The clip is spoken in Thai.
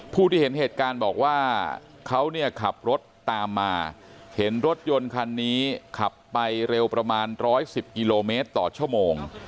ผู้ที่เห็นเหตุการณ์บอกว่าเขาเนี่ยขับรถตามมาเห็นรถยนต์คันนี้ขับไปเร็วประมาณ๑๑๐กิโลเมตรต่อชั่วโมง